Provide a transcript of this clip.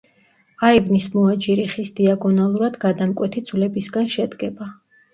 აივნის მოაჯირი ხის დიაგონალურად გადამკვეთი ძვლებისგან შედგება.